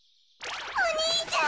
お兄ちゃん！